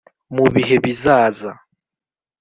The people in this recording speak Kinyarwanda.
Mu bihe bizaza,